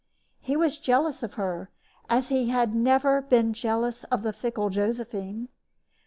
He was jealous of her as he had never been jealous of the fickle Josephine.